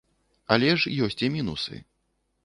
Але ж ёсць і мінусы.